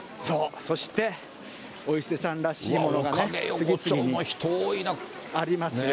そして、お伊勢さんらしいものがね、次々にありますよ。